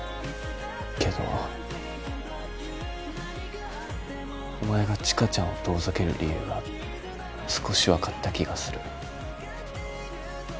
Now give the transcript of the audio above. けどおまえが千夏ちゃんを遠ざける理由が少しわかった気がする。